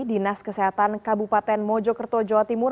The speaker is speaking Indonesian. dinas kesehatan kabupaten mojokerto jawa timur